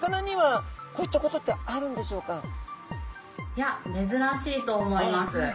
いやめずらしいと思います。